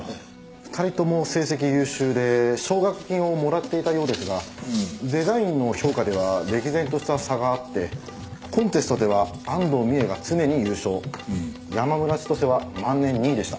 ２人とも成績優秀で奨学金をもらっていたようですがデザインの評価では歴然とした差があってコンテストでは安藤美絵が常に優勝山村千歳は万年２位でした。